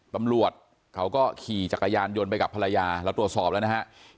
ตำรวจเขาก็ขี่จักรยานยนต์ไปกับภรรยาเราตรวจสอบแล้วนะฮะ